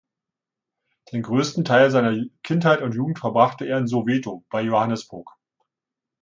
Den größten Teil seiner Kindheit und Jugend verbrachte er in Soweto bei Johannesburg.